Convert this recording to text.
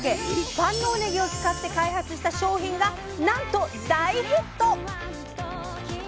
万能ねぎを使って開発した商品がなんと大ヒット！